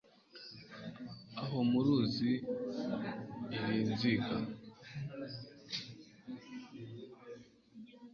aho muruzi iri zinga